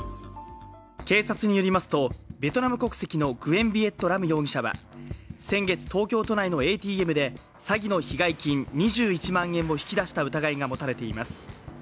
警察によりますと、ベトナム国籍のグェン・ヴィエット・ラム容疑者は先月、東京都内のＡＴＭで詐欺の被害金２１万円を引き出した疑いが持たれています。